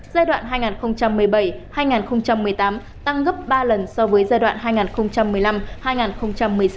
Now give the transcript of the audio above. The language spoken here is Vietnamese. giai đoạn hai nghìn một mươi bảy hai nghìn một mươi tám tăng gấp ba lần so với giai đoạn hai nghìn một mươi năm hai nghìn một mươi sáu